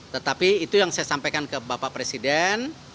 tetapi itu yang saya sampaikan ke bapak presiden